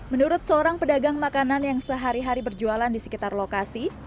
menurut seorang pedagang makanan yang sehari hari berjualan di sekitar lokasi